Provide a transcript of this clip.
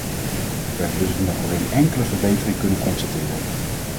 We hebben dus nog geen enkele verbetering kunnen constateren.